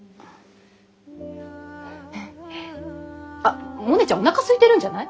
あっモネちゃんおなかすいてるんじゃない？